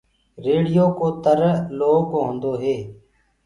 ريڙهيو ڪوُ تر لوه ڪو هوندو هي۔